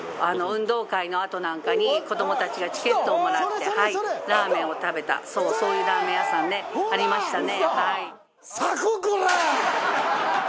運動会のあとなんかに子どもたちがチケットをもらってラーメンを食べたそうそういうラーメン屋さんねありましたねはい。